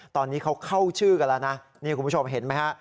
ตอนนี้เขาเข้าชื่อกันแล้วนะนี่คุณผู้ชมเห็นไหมฮะ